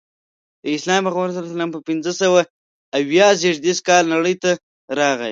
د اسلام پیغمبر ص په پنځه سوه اویا زیږدیز کې نړۍ ته راغی.